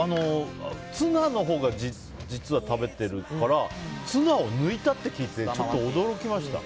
ツナのほうが実は食べてるからツナを抜いたって聞いてちょっと驚きました。